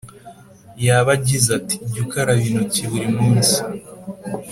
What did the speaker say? Yaba agize ati: jya ukaraba intoki burimunsi